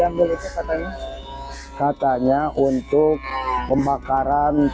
bagaimana cara kita menguruskan kekacauan dan kekacauan yang berlaku setelah kembali ke indonesia